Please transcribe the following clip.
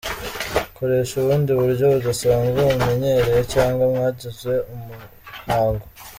Koresha ubundi buryo mudasanzwe mumenyereye cyangwa mwagize umuhango.